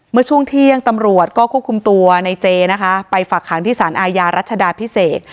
เมื่อช่วงเที่ยงตำรวจก็ควบคุมตัวในเจนะคะไปฝากหางที่สารอาญารัชดาพิเศษ